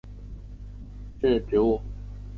狭叶剪秋罗是石竹科剪秋罗属的植物。